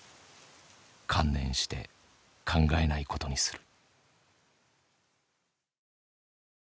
観念して考えない事にする」。